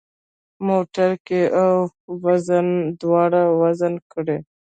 موټرګی او وزنه دواړه وزن کړئ.